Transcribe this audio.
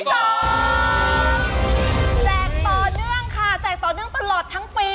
แจกต่อเนื่องค่ะแจกต่อเนื่องตลอดทั้งปี